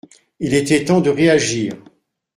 Il était temps de réagir.